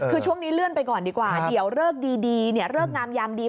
คือช่วงนี้เลื่อนไปก่อนดีกว่าเดี๋ยวเลิกดีเลิกงามยามดี